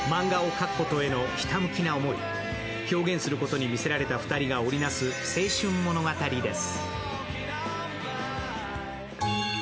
表現することにみせられた２人が織りなす青春物語です。